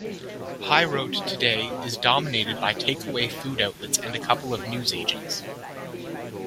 High Road today is dominated by take-away food outlets and a couple of newsagents.